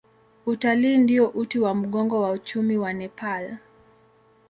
Utalii ndio uti wa mgongo wa uchumi wa Nepal.